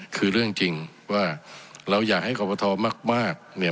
คือเรื่องจริงว่าเราอยากให้กรบทมากเนี่ย